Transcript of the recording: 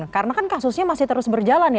karena kan kasusnya masih terus berjalan ya